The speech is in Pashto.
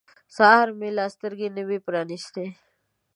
سهار مې لا سترګې نه وې پرانیستې.